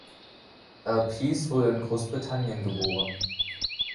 Al Pease wurde in Großbritannien geboren.